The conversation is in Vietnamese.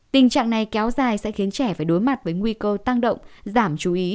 tình trạng này kéo dài sẽ khiến trẻ phải đối mặt với nguy cơ tăng động giảm chú ý